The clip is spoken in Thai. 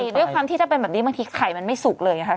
ด้วยความที่ถ้าเป็นแบบนี้บางทีไข่มันไม่สุกเลยค่ะ